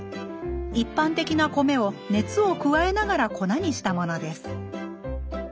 一般的な米を熱を加えながら粉にしたものです